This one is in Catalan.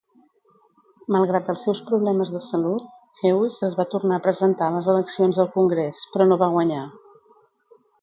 Malgrat els seus problemes de salut, Hewes es va tornar a presentar a les eleccions al Congrés, però no va guanyar.